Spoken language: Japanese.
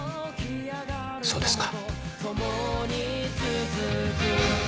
そうですか。